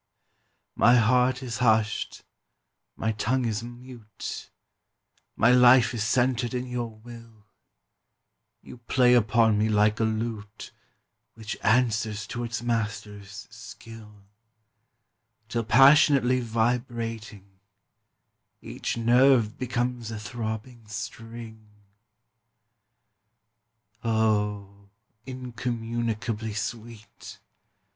My heart is hushed, my tongue is mute, My life is centred in your will; You play upon me like a lute Which answers to its master's skill, Till passionately vibrating, Each nerve becomes a throbbing string. Oh, incommunicably sweet!